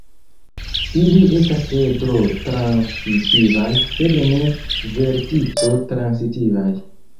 Ili estas edro-transitivaj sed ne vertico-transitivaj.